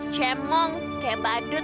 cemong kayak badut